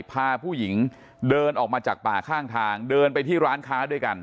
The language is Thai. พาผู้หญิงเดินออกมาจากป่าข้างทางเดินไปที่ร้านค้าด้วยกัน